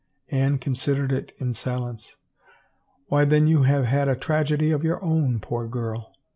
Anne considered it in silence. " Why then you have had a tragedy of your own, poor girl